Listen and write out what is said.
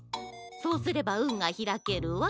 そうすればうんがひらけるわ。